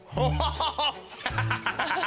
ハハハハッ。